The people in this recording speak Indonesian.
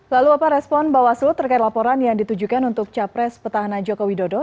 lalu apa respon bawaslu terkait laporan yang ditujukan untuk capres petahana joko widodo